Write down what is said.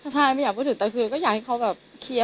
ใช่ไม่อยากพูดถึงแต่คือก็อยากให้เขาแบบเคลียร์